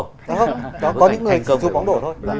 có những người chụp bóng đổ thôi